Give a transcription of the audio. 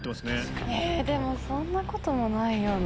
でもそんなこともないような。